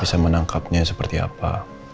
bisa menangkapnya seperti apa